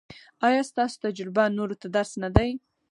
ایا ستاسو تجربه نورو ته درس نه دی؟